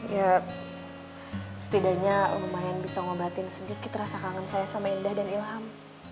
ya setidaknya lumayan bisa ngobatin sedikit rasa kangen saya sama indah dan ilham